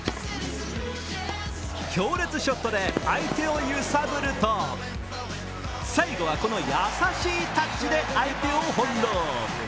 強烈ショットで相手を揺さぶると最後はこの優しいタッチで相手を翻弄。